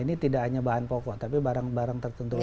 ini tidak hanya bahan pokok tapi barang barang tertentu saja